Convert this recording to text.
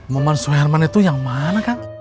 maman su herman itu yang mana kang